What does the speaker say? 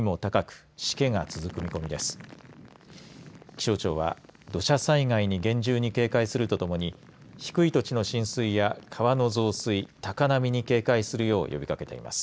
気象庁は土砂災害に厳重に警戒するとともに低い土地の浸水や川の増水高波に警戒するよう呼びかけています。